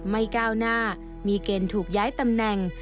ก้าวหน้ามีเกณฑ์ถูกย้ายตำแหน่ง